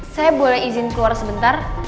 saya boleh izin keluar sebentar